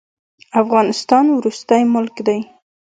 افغانستان وروستی ملک دی.